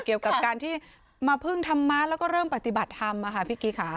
เกี่ยวกับการที่มาพึ่งธรรมะแล้วก็เริ่มปฏิบัติธรรมพี่กี้ค่ะ